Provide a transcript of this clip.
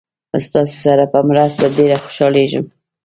ستاسې سره په مرسته ډېر خوشحالیږم.